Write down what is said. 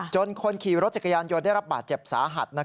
คนขี่รถจักรยานยนต์ได้รับบาดเจ็บสาหัส